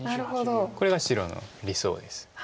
これが白の理想です。